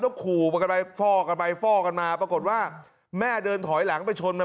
ขู่กันไปฟ่อกันไปฟ่อกันมาปรากฏว่าแม่เดินถอยหลังไปชนมัน